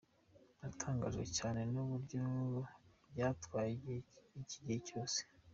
Natangajwe cyane n’uburyo byatwaye iki gihe cyose.